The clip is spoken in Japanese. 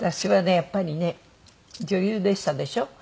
やっぱりね女優でしたでしょ。